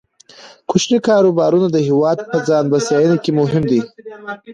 کوچني کاروبارونه د هیواد په ځان بسیاینه کې مهم دي.